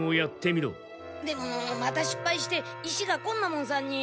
でもまた失敗して石が昆奈門さんに。